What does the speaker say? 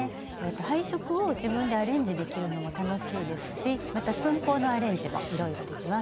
配色を自分でアレンジできるのも楽しいですしまた寸法のアレンジもいろいろできます。